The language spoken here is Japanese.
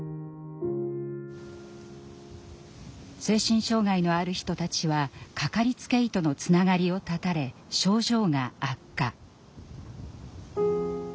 精神障害のある人たちはかかりつけ医とのつながりを断たれ症状が悪化。